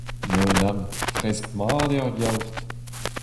Menam, fresk-mat eo ar yaourt !